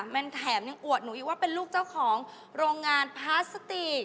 มันแถมยังอวดหนูอีกว่าเป็นลูกเจ้าของโรงงานพลาสติก